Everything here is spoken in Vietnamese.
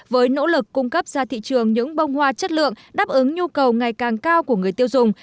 với nỗ lực cung cấp ra thị trường những bông hoa chất lượng đáp ứng nhu cầu ngày càng cao của người tiêu dùng